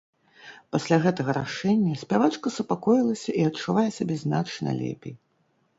Пасля гэтага рашэння спявачка супакоілася і адчувае сябе значна лепей.